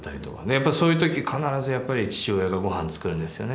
やっぱそういう時必ずやっぱり父親がごはんつくるんですよね。